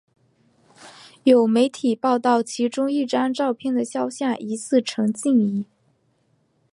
有媒体报道其中一张照片的肖像疑似陈静仪。